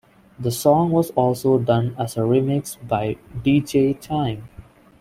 The song was also done as a remix by DeeJay Time.